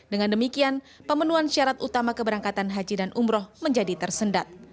dengan demikian pemenuhan syarat utama keberangkatan haji dan umroh menjadi tersendat